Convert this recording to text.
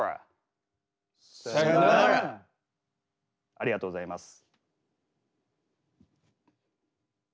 ありがとうございます。